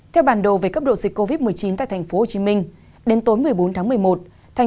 theo bản đồ về cấp độ dịch covid một mươi chín tại tp hcm đến tối một mươi bốn tháng một mươi một thành